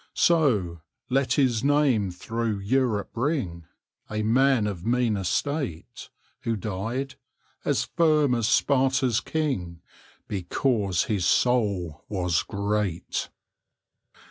So, let his name through Europe ring A man of mean estate Who died, as firm as Sparta's king, Because his soul was great.